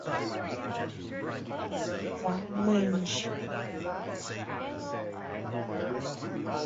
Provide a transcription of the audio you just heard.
It is used in such formulae as "first ministers' meetings".